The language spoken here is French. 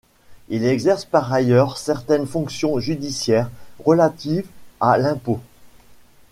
Il exerce par ailleurs certaines fonctions judiciaires relatives à l'impôt.